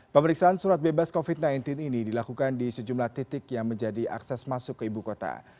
pemeriksaan surat bebas covid sembilan belas ini dilakukan di sejumlah titik yang menjadi akses masuk ke ibu kota